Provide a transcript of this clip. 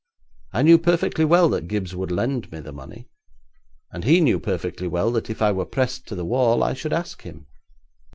I knew perfectly well that Gibbes would lend me the money, and he knew perfectly well that if I were pressed to the wall I should ask him.'